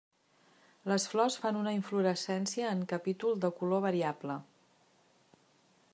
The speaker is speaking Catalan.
Les flors fan una inflorescència en capítol de color variable.